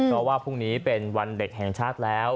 เพราะว่าพรุ่งนี้เป็นวันเด็กแห่งชาติแล้ว